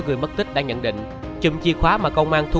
ngay sau đó chìm chì khoá được mang đi thử